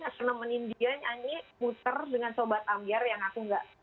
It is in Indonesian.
ngasih nemenin dia nyanyi puter dengan sobat amiar yang aku gak